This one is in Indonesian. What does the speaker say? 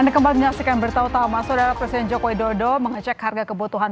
anda kembali menyaksikan berita utama saudara presiden jokowi dodo mengecek harga kebutuhan